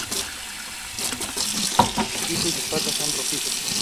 Su pico y patas son rojizos.